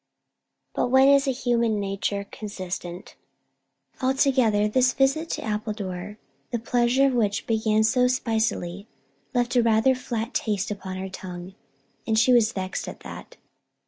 But when is human nature consistent? Altogether this visit to Appledore, the pleasure of which began so spicily, left rather a flat taste upon her tongue; and she was vexed at that.